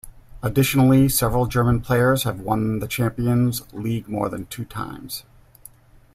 Additionally several German players have won the Champions League more than two times.